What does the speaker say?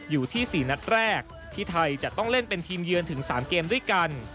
อยู่ที่๔นัดแรกที่ไทยจะต้องเล่นเป็นทีมเยือนถึง๓เกมด้วยกัน